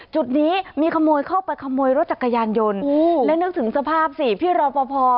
จุดนี้มีขโมยเข้าไปขโมยรถจักรยานยนต์แล้วนึกถึงสภาพสิพี่รอปภ